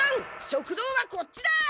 食堂はこっちだ！